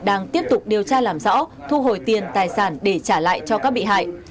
đang tiếp tục điều tra làm rõ thu hồi tiền tài sản để trả lại cho các bị hại